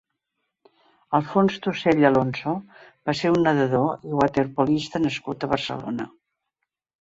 Alfons Tusell Alonso va ser un nedador i waterpolista nascut a Barcelona.